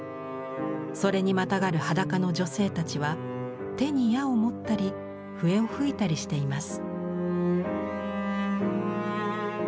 それにまたがる裸の女性たちは手に矢を持ったり笛を吹いたりしています。